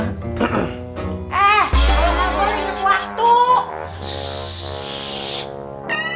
eh tolong aku orangnya cepat tuh